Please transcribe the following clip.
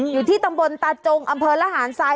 อยู่ที่ตำบลตาจงอำเภอระหารทราย